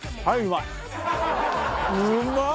うまっ！